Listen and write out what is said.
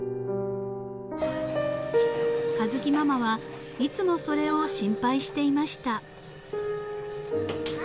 ［佳月ママはいつもそれを心配していました］